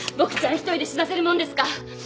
一人で死なせるもんですか。